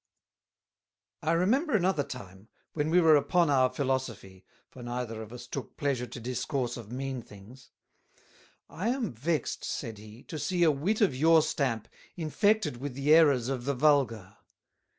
I remember another time, when we were upon our Philosophy, for neither of us took pleasure to Discourse of mean things: "I am vexed," said he, "to see a Wit of your stamp infected with the Errors of the Vulgar.